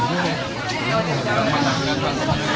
eh di belum mau lihat tadi